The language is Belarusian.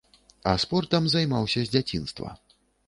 А спортам займаўся з дзяцінства.